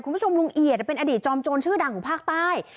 คุณผู้ชมลุงเอียดเป็นอดีตจอมโจรชื่อดังของภาคใต้